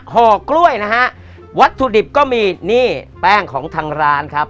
ห่อกล้วยนะฮะวัตถุดิบก็มีนี่แป้งของทางร้านครับ